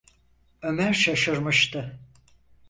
Ömer şaşırmıştı.